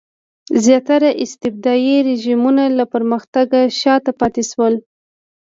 زیاتره استبدادي رژیمونه له پرمختګ شاته پاتې شول.